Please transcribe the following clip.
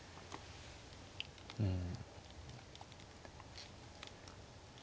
うん。